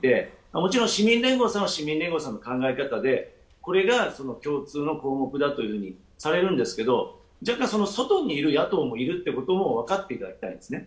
もちろん、市民連合さんは市民連合さんの考え方で、これが共通の項目だというふうにされるんですけど若干、外にいる野党もいるということも分かっていただきたいんですね。